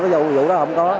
rượu đó không có